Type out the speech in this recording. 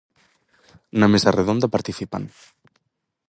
Na mesa redonda participan.